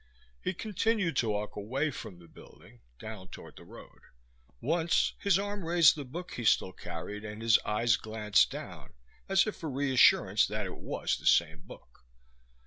He continued to walk away from the building, down toward the road. Once his arm raised the book he still carried and his eyes glanced down, as if for reassurance that it was the same book.